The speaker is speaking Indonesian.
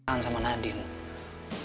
tahan sama nadine